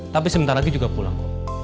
tapi sebentar lagi juga pulang